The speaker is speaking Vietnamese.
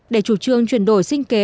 để chủ trương chuyển đổi sinh kế